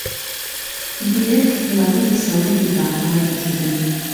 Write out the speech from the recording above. Biek larriki zaurituta amaitu zuten.